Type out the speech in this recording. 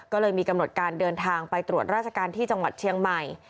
ก็เลยมีกำหนดการเดินทางไปตรวจราชการที่จังหวัดเชียงใหม่